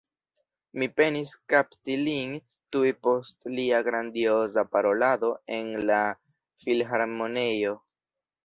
Mi penis kapti lin tuj post lia grandioza parolado en la Filharmoniejo.